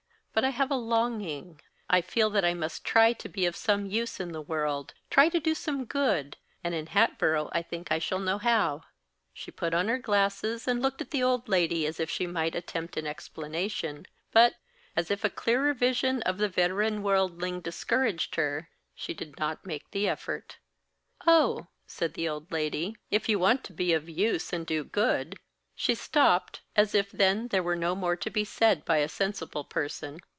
But I have a longing; I feel that I must try to be of some use in the world try to do some good and in Hatboro' I think I shall know how." She put on her glasses, and looked at the old lady as if she might attempt an explanation, but, as if a clearer vision of the veteran worldling discouraged her, she did not make the effort. "Oh!" said the old lady. "If you want to be of use, and do good " She stopped, as if then there were no more to be said by a sensible person.